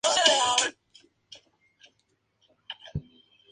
Langley nació en Somerset de padres australianos, pero creció en Buxton, Derbyshire.